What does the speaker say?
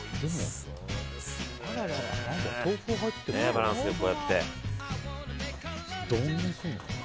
バランスよくこうやって。